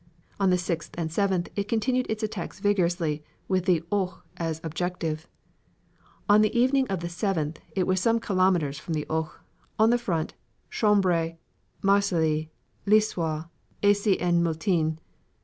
On the 6th and 7th it continued its attacks vigorously with the Ourcq as objective. On the evening of the 7th it was some kilometers from the Ourcq, on the front Chambry Marcilly Lisieux Acy en Multien.